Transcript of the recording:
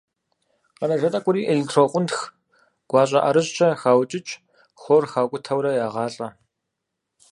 Къэнэжа тӀэкӀури электрокъунтх гуащӀэ ӀэрыщӀкӀэ хаукӀыкӀ, хлор хакӀутэурэ ягъалӀэ.